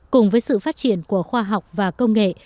cùng với sự phát triển của khoa học và công nghệ